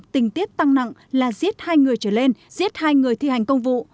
tình tiết tăng nặng là giết hai người trở lên giết hai người thi hành công vụ